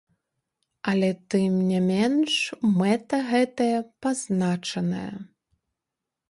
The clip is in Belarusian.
Але тым не менш мэта гэтая пазначаная.